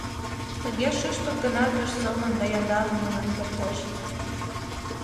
Тыге шӱшпык гына пеш сылнын да яндарын мурен кертеш.